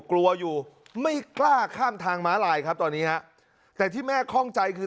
กลัวอยู่ไม่กล้าข้ามทางม้าลายครับตอนนี้ฮะแต่ที่แม่คล่องใจคือ